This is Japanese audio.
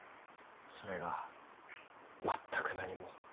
それがまったく何も。